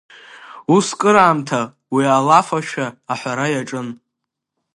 Ус кыраамҭа уи алафашәа аҳәара иаҿын.